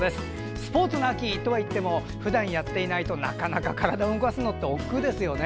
スポーツの秋とはいってもふだん、やっていないとなかなか体を動かすのはおっくうですよね。